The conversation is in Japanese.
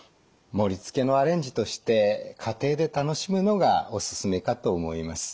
盛りつけのアレンジとして家庭で楽しむのがおすすめかと思います。